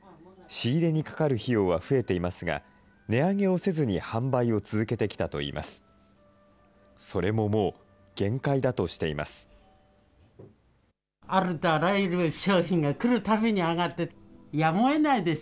仕入れにかかる費用は増えていますが、値上げをせずに販売を続けてきたといいます。